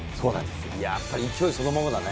やっぱり勢いそのままだね。